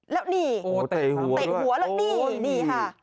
แล้วนี่เตะหัวแล้วนี่นี่ค่ะ